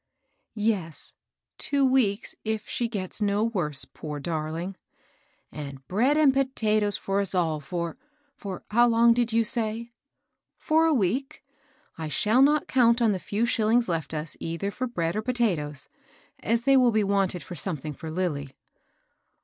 " Yes, — two weeks, if she gets no worse, poor darling I "^* And bread and potatoes for us all for — for how long did you say ?"For a week. I shall not count on the few shillings left us either for bread or potatoes, as th^ will be wanted for something for Lilly."